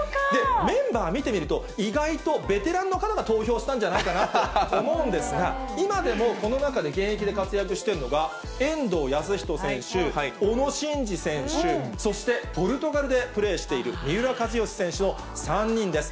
メンバー見てみると、意外とベテランの方が投票したんじゃないかなと思うんですが、今でもこの中で現役で活躍してるのが、遠藤保仁選手、小野伸二選手、そして、ポルトガルでプレーしている三浦知良選手の３人です。